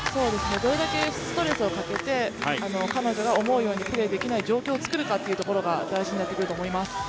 どれだけストレスをかけて彼女が思うようにプレーできない状況を作るかが大事になってくると思います。